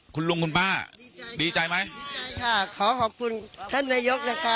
คุณลุงคุณป้าดีใจไหมดีใจค่ะขอขอบคุณท่านนายกนะคะ